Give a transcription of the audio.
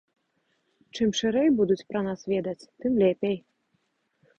Чым шырэй будуць пра нас ведаць, тым лепей.